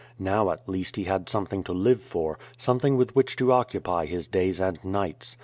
Now at least he had something to live for — something with which to occupy his days and nights.